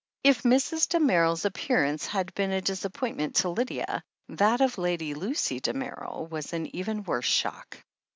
If Mrs. Damerel's appearance had been a disappoint ment to Lydia, that of Lady Lucy Damerel was an even worse shock.